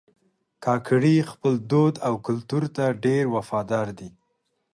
کاکړي خپل دود او کلتور ته ډېر وفادار دي.